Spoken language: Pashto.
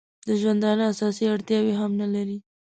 د ژوندانه اساسي اړتیاوې هم نه لري.